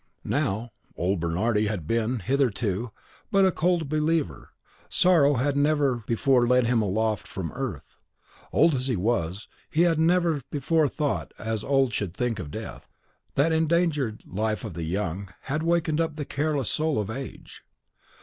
Now, old Bernardi had been, hitherto, but a cold believer; sorrow had never before led him aloft from earth. Old as he was, he had never before thought as the old should think of death, that endangered life of the young had wakened up the careless soul of age.